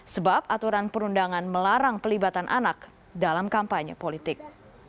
sebab aturan perundangan melarang pelibatan anak dalam kampanye politik